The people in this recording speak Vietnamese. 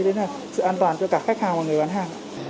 đấy là sự an toàn cho cả khách hàng và người bán hàng